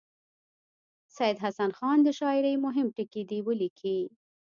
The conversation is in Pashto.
سید حسن خان د شاعرۍ مهم ټکي دې ولیکي.